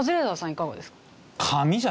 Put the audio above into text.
いかがですか？